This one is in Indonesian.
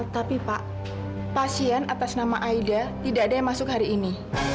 tapi pak pasien atas nama aida tidak ada yang masuk hari ini